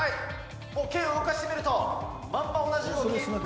剣を動かしてみると、まんま同じ動き。